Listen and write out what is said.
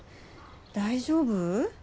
大丈夫？